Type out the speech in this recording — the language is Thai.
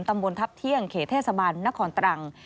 ตำบลทัพเที่ยงเขตเทศบาลนครตรัง